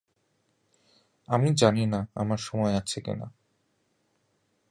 আমি জানিনা আমার সময় আছে কি না।